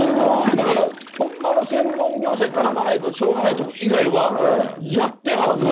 ほんまの専門業者に頼まないとしょうがないとこ以外はやってはるから。